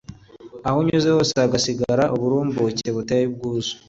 aho unyuze hose hagasigara uburumbuke buteye ubwuzu